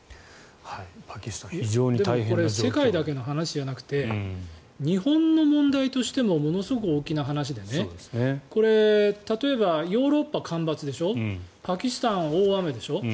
これ世界だけの話じゃなくて日本の問題としてもものすごく大きな話で例えば、ヨーロッパ干ばつでしょパキスタン、大雨でしょ。